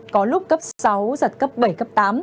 có lúc cấp sáu giật cấp bảy cấp tám